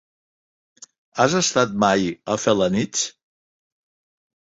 Has estat mai a Felanitx?